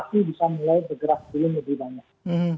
pasti bisa mulai bergerak dulu lebih banyak